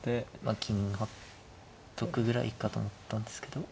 金張っとくぐらいかと思ったんですけど。